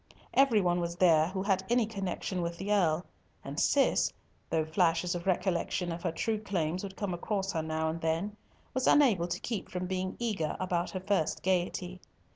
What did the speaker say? Every one was there who had any connection with the Earl; and Cis, though flashes of recollection of her true claims would come across her now and then, was unable to keep from being eager about her first gaiety.